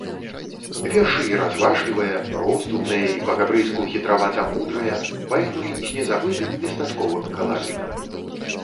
Вершы й разважлівыя, роздумныя, й па-габрэйску хітравата-мудрыя, паэмы з незабытым местачковым каларытам.